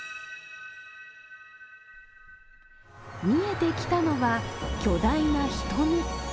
見えてきたのは、巨大な瞳。